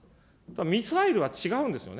ミサイルは違うんですよね。